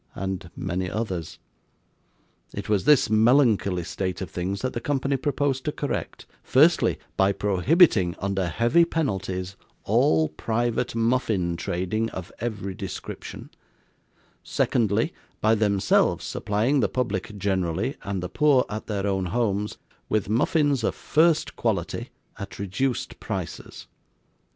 and many others. It was this melancholy state of things that the Company proposed to correct; firstly, by prohibiting, under heavy penalties, all private muffin trading of every description; secondly, by themselves supplying the public generally, and the poor at their own homes, with muffins of first quality at reduced prices.